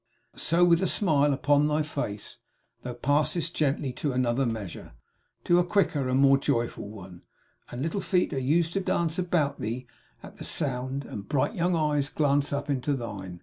So, with a smile upon thy face, thou passest gently to another measure to a quicker and more joyful one and little feet are used to dance about thee at the sound, and bright young eyes to glance up into thine.